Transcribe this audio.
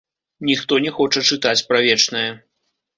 Ніхто не хоча чытаць пра вечнае.